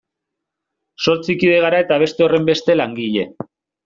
Zortzi kide gara eta beste horrenbeste langile.